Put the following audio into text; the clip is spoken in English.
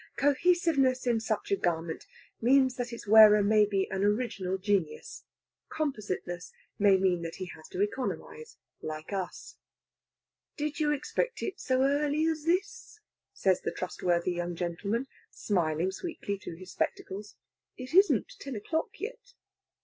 Cohesiveness in such a garment means that its wearer may be an original genius: compositeness may mean that he has to economize, like us. "Did you expect it so early as this?" says the trustworthy young gentleman, smiling sweetly through his spectacles. "It isn't ten o'clock yet."